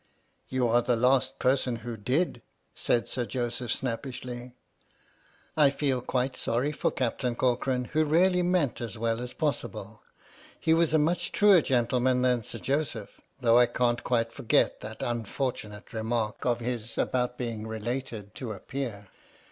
" You are the last person who did, " said Sir Joseph, snappishly. I feel quite sorry for Captain Corcoran, who really meant as well as possible. He was a much truer gentleman than Sir Joseph, though I can't quite forget that unfortunate remark of his about being related to a Peer.